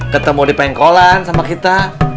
ketemu di pengkolan sama kita